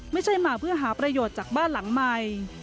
ไม่ใช่มาเพื่อหาประโยชน์จากบ้านหลังใหม่